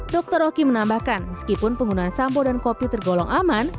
dr rocky menambahkan meskipun penggunaan sambo dan kopi tergolong aman